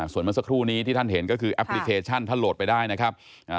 ส่วนเมื่อสักครู่นี้ที่ท่านเห็นก็คือแอปพลิเคชันท่านโหลดไปได้นะครับ